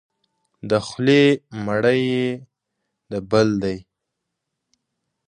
د خولې مړی یې د بل دی.